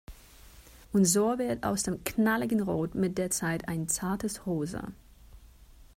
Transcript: So wird aus dem knalligen Rot mit der Zeit ein zartes Rosa.